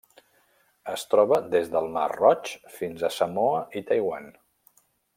Es troba des del Mar Roig fins a Samoa i Taiwan.